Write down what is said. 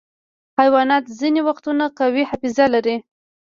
حیوانات ځینې وختونه قوي حافظه لري.